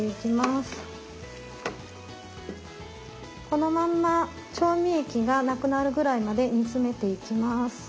このまんま調味液がなくなるぐらいまで煮詰めていきます。